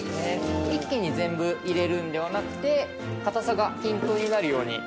一気に全部入れるんではなくて硬さが均等になるように。